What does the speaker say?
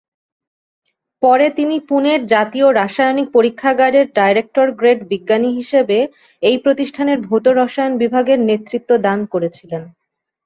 পরে তিনি পুনের জাতীয় রাসায়নিক পরীক্ষাগার এর ডাইরেক্টর গ্রেড বিজ্ঞানী হিসাবে এই প্রতিষ্ঠানের ভৌত রসায়ন বিভাগের নেতৃত্ব দান করেছিলেন।